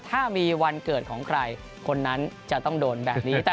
ถ้ามีวันเกิดของใครคนนั้นจะต้องโดนแบบนี้